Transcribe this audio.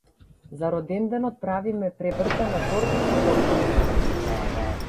За роденденот правиме превртена торта со портокал.